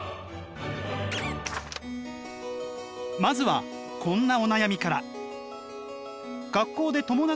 まずはこんなお悩みから。